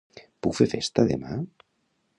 Puc fer festa demà?